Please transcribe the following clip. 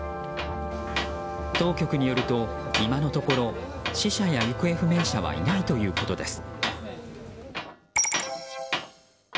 当局によると今のところ死者や行方不明者はいないということです。